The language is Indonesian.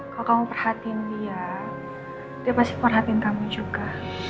kalau kamu perhatiin dia dia pasti perhatiin kamu juga